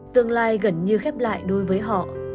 tương lai gần như khép lại đối với họ